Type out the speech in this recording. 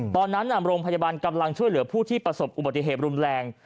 ตอนนั้นโรงพยาบาลกำลังช่วยเหลือผู้ที่ประสบอุบัติเหตุรุนแรง